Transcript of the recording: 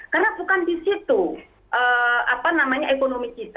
karena bukan di situ apa namanya ekonomi kita